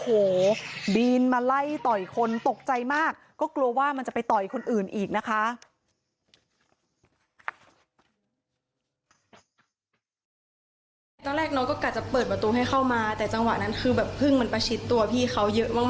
โอ้โหกลัวว่ามันจะไปต่อยคนอื่นอีกนะคะ